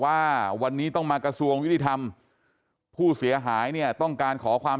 ว่าวันนี้ต้องมากระทรวงยุติธรรมผู้เสียหายเนี่ยต้องการขอความ